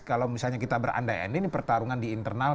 kalau misalnya kita beranda endin pertarungan di internal